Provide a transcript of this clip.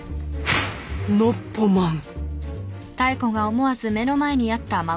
ノッポマン。